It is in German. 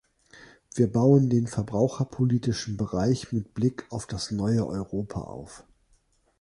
Wir bauen den verbraucherpolitischen Bereich mit Blick auf das neue Europa auf.